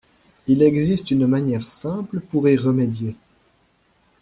Il existe une manière simple pour y remédier.